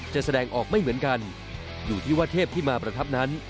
แสดงออกไม่เหมือนกันอยู่ที่ว่าเทพที่มาประทับนั้น